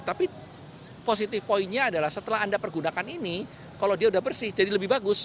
tapi positive pointnya adalah setelah anda pergunakan ini kalau dia sudah bersih jadi lebih bagus